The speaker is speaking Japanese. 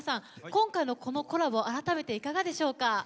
今回のこのコラボ改めていかがでしょうか？